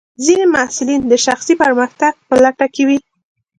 ځینې محصلین د شخصي پرمختګ په لټه کې وي.